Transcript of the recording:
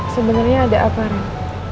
sebenernya ada apa ren